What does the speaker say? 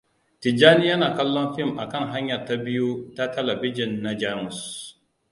Tijjani yana kallon fim a kan hanyar ta biyu ta talabijin na Jamus.